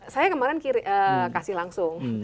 saya kemarin kasih langsung